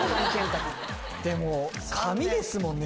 でも紙ですもんね